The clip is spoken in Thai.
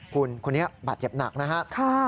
คุณคนนี้บาดเจ็บหนักนะครับ